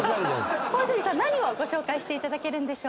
大泉さん何をご紹介していただけるんでしょうか？